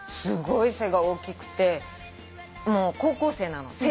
すごい背が大きくてもう高校生なの。